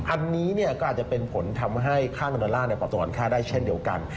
อันนี้ก็อาจจะเป็นผลทำให้ค่าเงินดอลลาร์ปรับตัวค่าได้เช่นเดียวกัน